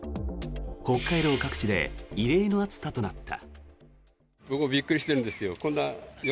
北海道各地で異例の暑さとなった。